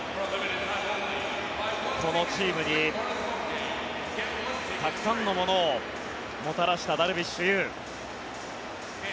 このチームにたくさんのものをもたらしたダルビッシュ有。